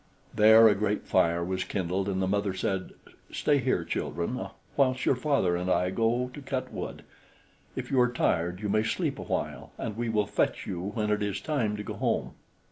There a great fire was kindled, and the mother said: "Stay here, children, whilst your father and I go to cut wood. If you are tired you may sleep a while, and we will fetch you when it is time to go home."